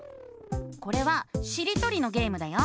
これはしりとりのゲームだよ。